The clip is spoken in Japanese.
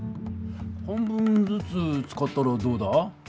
半分ずつ使ったらどうだ？